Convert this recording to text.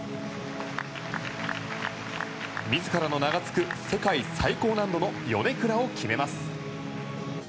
自らの名がつく世界最高難度のヨネクラを決めます。